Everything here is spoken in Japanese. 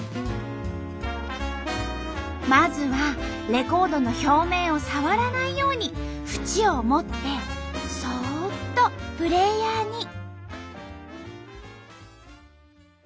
まずはレコードの表面を触らないように縁を持ってそっとプレーヤーに。